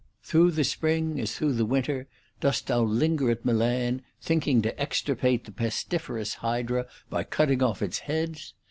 § 6. Through the spring as through the winter dost thou linger at Milan, thinking to extirpate the pestiferous hydrn by cutting off its heads